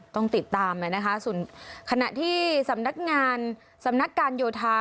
ต้องติดตามนะคะส่วนขณะที่สำนักงานสำนักการโยธา